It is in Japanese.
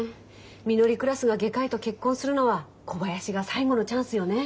みのりクラスが外科医と結婚するのは小林が最後のチャンスよね。